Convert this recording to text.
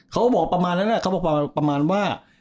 เขาบอกประมาณว่า